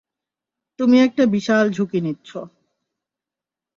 তুমি একটা বিশাল ঝুঁকি নিচ্ছ।